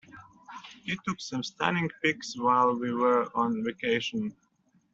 He took some stunning pics while we were on vacation.